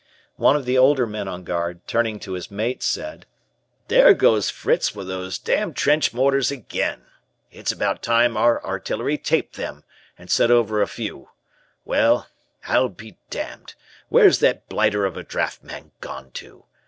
One of the older men on guard, turning to his mate, said: "There goes Fritz with those damned trench mortars again. It's about time our artillery 'taped' them, and sent over a few. Well, I'll be damned, where's that blighter of a draft man gone to?